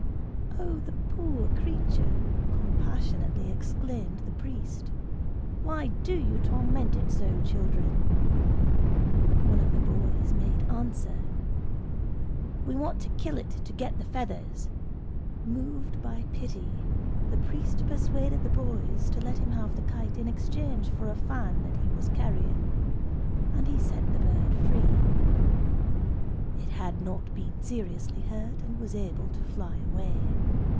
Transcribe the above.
"Oh, the, poor creature!" compassionately exclaimed the priest;—"why do you torment it so, children?" One of the boys made answer:—"We want to kill it to get the feathers." Moved by pity, the priest persuaded the boys to let him have the kite in exchange for a fan that he was carrying; and he set the bird free. It had not been seriously hurt, and was able to fly away.